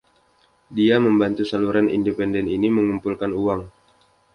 Dia membantu saluran independen ini mengumpulkan uang.